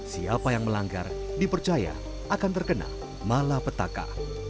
siapa yang melanggar dipercaya akan terkena malapetaka